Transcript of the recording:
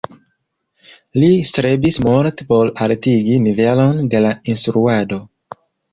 Li strebis multe por altigi nivelon de la instruado.